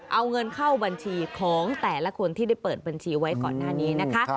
เอาเงินเข้าบัญชีของแต่ละคนที่ได้เปิดบัญชีไว้ก่อนหน้านี้นะคะ